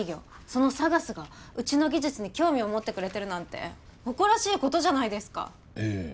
そのＳＡＧＡＳがうちの技術に興味を持ってくれてるなんて誇らしいことじゃないですかええ